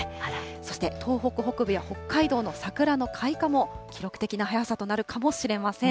そして東北北部や北海道の桜の開花も記録的な早さとなるかもしれません。